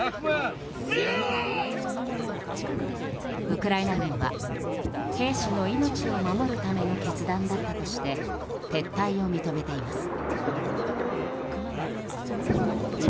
ウクライナ軍は兵士の命を守るための決断だったとして撤退を認めています。